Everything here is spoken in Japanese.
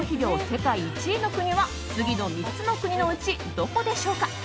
世界１位の国は次の３つの国のうちどこでしょうか。